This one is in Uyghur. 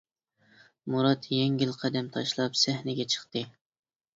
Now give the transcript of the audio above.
مۇرات يەڭگىل قەدەم تاشلاپ سەھنىگە چىقتى.